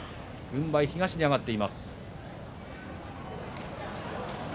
軍配、東に上がっています。